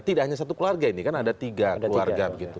tidak hanya satu keluarga ini kan ada tiga keluarga begitu